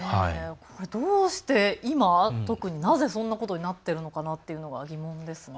これはどうして今特になぜそんなことになっているのかなと疑問ですね。